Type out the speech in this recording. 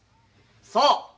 そう。